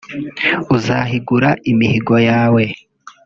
uzahigura imihigo yawe